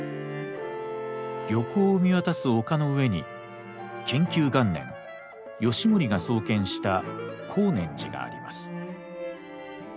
漁港を見渡す丘の上に建久元年義盛が創建した光念寺があります。